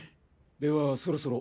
ではそろそろ。